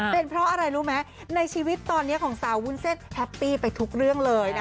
เป็นเพราะอะไรรู้ไหมในชีวิตตอนนี้ของสาววุ้นเส้นแฮปปี้ไปทุกเรื่องเลยนะ